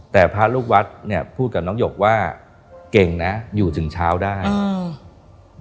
แต่พระลูกวัดเนี้ยพูดกับน้องหยกว่าเก่งนะอยู่ถึงเช้าได้อ่า